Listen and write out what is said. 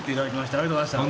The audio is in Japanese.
ありがとうございます。